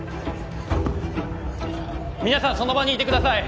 皆さんその場にいてください。